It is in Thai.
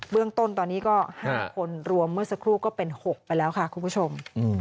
เรื่องต้นตอนนี้ก็๕คนรวมเมื่อสักครู่ก็เป็น๖ไปแล้วค่ะคุณผู้ชม